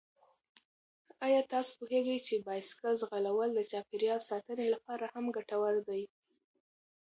آیا تاسو پوهېږئ چې بايسکل ځغلول د چاپېریال ساتنې لپاره هم ګټور دي؟